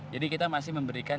jadi kita masih memberikan